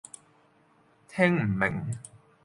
聽唔明